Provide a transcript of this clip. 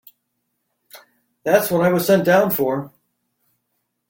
That's what I was sent down for.